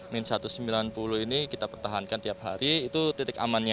min satu ratus sembilan puluh ini kita pertahankan tiap hari itu titik amannya